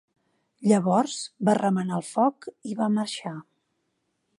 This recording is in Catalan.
Llavors va remenar el foc i va marxar.